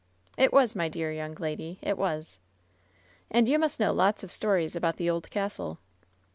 , "It was, my dear young lady, it was." "And you must know lots of stories about the old castle."